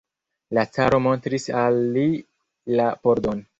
La caro montris al li la pordon.